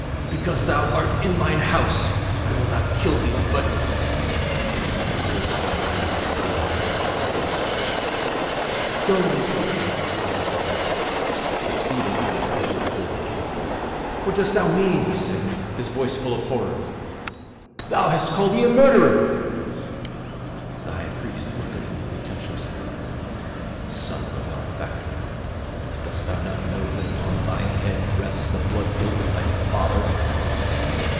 "Because thou art in mine house, I will not kill thee, but " and his voice died away into a silence more terrible than speech. "Go!" repeated Anna imploringly. But Stephen did not appear to have heard. "What dost thou mean?" he said, his voice full of horror. "Thou hast called me a murderer!" The High Priest looked at him contemptuously. "Son of a malefactor, dost thou not know that upon thy head rests the blood guilt of thy father?"